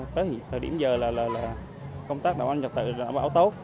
tới thời điểm giờ là công tác đảm bảo an ninh trật tự đảm bảo tốt